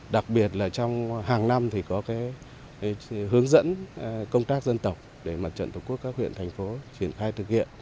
đặc biệt là trong hàng năm thì có hướng dẫn công tác dân tộc để mặt trận tổ quốc các huyện thành phố triển khai thực hiện